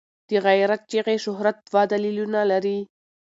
د غیرت چغې شهرت دوه دلیلونه لري.